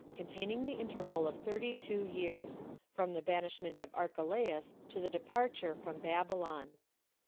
Containing The Interval Of Thirty Two Years.From The Banishment Of Archelaus To The Departure From Babylon.